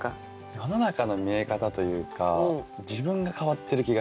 世の中の見え方というか自分が変わってる気がします。